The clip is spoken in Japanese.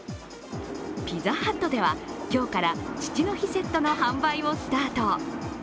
ピザハットでは、今日から父の日セットの販売をスタート。